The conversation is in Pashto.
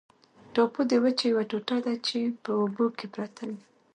ټاپو د وچې یوه ټوټه ده چې په اوبو کې پرته وي.